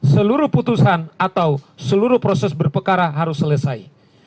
seluruh putusan atau seluruh proses berpekara harus selesai